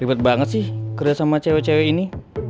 ribet banget sih kerja sama cewek cewek ini